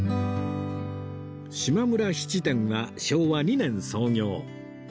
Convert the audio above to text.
島村質店は昭和２年創業